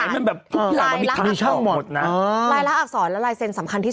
แลกสิ่งของจำนำจำนองไว้เลย